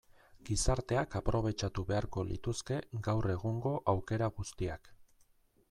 Gizarteak aprobetxatu beharko lituzke gaur egungo aukera guztiak.